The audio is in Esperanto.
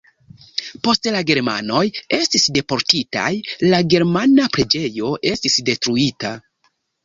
Poste la germanoj estis deportitaj, la germana preĝejo estis detruita.